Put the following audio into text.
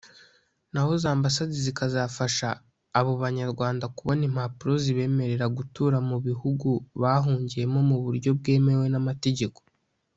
naho za Ambasade zikazafasha abo banyarwanda kubona impapuro zibemerera gutura mu bihugu bahungiyemo mu buryo bwemewe n’amategeko